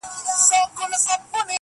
وځم له كوره له اولاده شپې نه كوم.